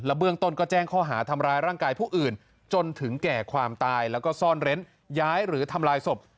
เบื้องต้นก็แจ้งข้อหาทำร้ายร่างกายผู้อื่นจนถึงแก่ความตายแล้วก็ซ่อนเร้นย้ายหรือทำลายศพ